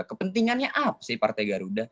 kepentingannya apa sih partai garuda